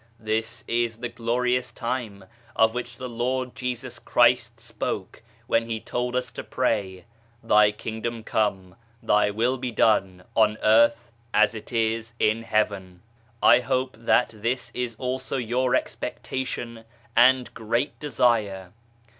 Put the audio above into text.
This is the glorious time of which the Lord Jesus Christ spoke when He told us to pray " Thy Kingdom come, Thy Will be done on earth as it is in Heaven. I hope that this is also your expectation and great desire.